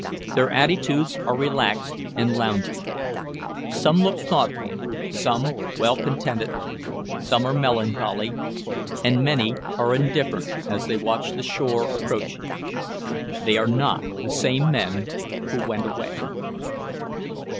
Their attitudes are relaxed and lounging. Some look thoughtful, some well contented, some are melancholy, and many are indifferent, as they watch the shore approaching. They are not the same men who went away.